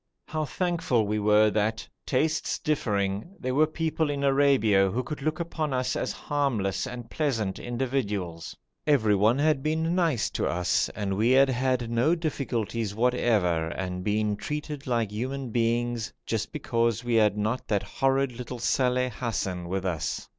How thankful we were that, tastes differing, there were people in Arabia who could look upon us as harmless and pleasant individuals. Everyone had been nice to us, and we had had no difficulties whatever, and been treated like human beings, just because we had not that horrid little Saleh Hassan with us.